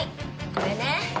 これね。